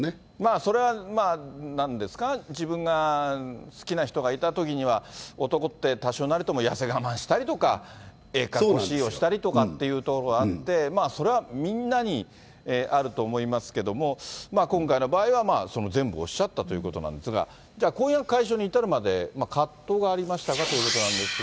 それはまあ、なんですか、自分が好きな人がいたときには、男って多少なりとも痩せ我慢したりとか、ええかっこしいしたりってことがあって、まあそれはみんなにあると思いますけれども、今回の場合は全部おっしゃったということなんですが、じゃあ、婚約解消に至るまで葛藤がありましたかということなんですが。